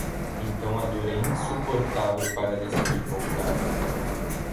Então a dor é insuportável para decidir voltar